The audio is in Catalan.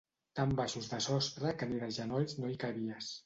Tan baixos de sostre que ni de genolls no hi cabies